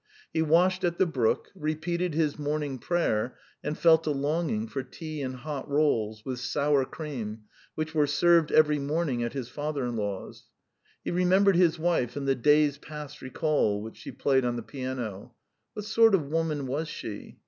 He washed at the brook, repeated his morning prayer, and felt a longing for tea and hot rolls, with sour cream, which were served every morning at his father in law's. He remembered his wife and the "Days past Recall," which she played on the piano. What sort of woman was she?